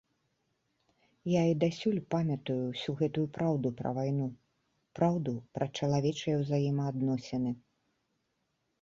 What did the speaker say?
Я і дасюль памятаю ўсю гэтую праўду пра вайну, праўду пра чалавечыя ўзаемаадносіны.